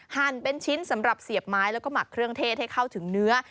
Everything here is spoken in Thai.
หั่นเป็นชิ้นสำหรับเสียบไม้แล้วก็หมักเครื่องเทศให้เข้าถึงเนื้อ